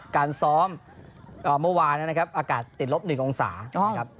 การซ้อมเมื่อวานนะครับอากาศติดลบ๑องศานะครับ